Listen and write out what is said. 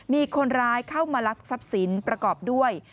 มีคนร้ายเข้ามาลักทรัพย์สินประกอบด้วย